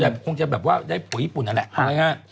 แต่คงจะแบบว่าได้ผู้ญี่ปุ่นนั่นแหละครับ